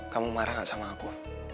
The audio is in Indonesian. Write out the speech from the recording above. kamu marah gak sama aku